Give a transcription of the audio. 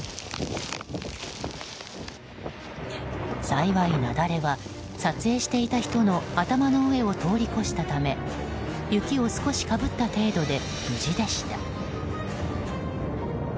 幸い雪崩は撮影していた人の頭の上を通り越したため雪を少しかぶった程度で無事でした。